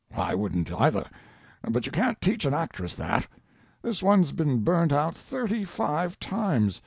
"I wouldn't either; but you can't teach an actress that. This one's been burnt out thirty five times.